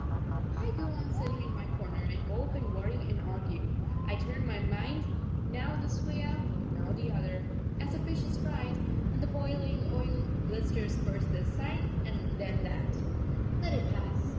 I go on sitting in my corner, and mope and worry and argue. I turn my mind now this way up, now the other as a fish is fried and the boiling oil blisters first this side, then that. Let it pass.